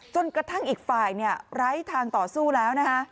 จนกระทั่งอีกฝ่ายไร้ทางต่อสู้แล้วนะคะ